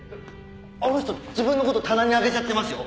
あの人自分の事棚に上げちゃってますよ。